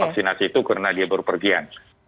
vaksinasi itu karena dia baru pergian